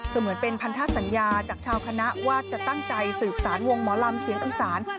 เหมือนเป็นพันธสัญญาจากชาวคณะว่าจะตั้งใจสืบสารวงหมอลำเสียงอีสาน